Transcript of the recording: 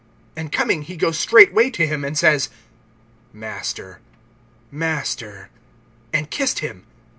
(45)And coming, he goes straightway to him, and says: Master, Master; and kissed him.